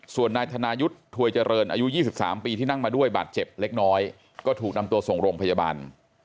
ส่วนนายธนายุทธ์ถวยเจริญอายุ๒๓ปีที่นั่งมาด้วยบาดเจ็บเล็กน้อยก็ถูกนำตัวส่งโรงพยาบาล